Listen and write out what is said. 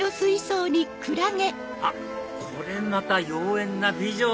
あっこれまた妖艶な美女！